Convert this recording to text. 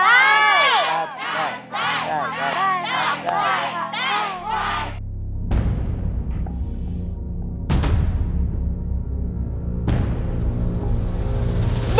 ทำได้ก็ไม่ได้